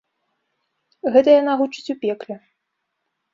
Гэта яна гучыць у пекле.